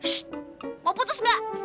shhh mau putus gak